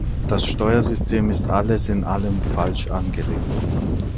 Das Steuersystem ist alles in allem falsch angelegt.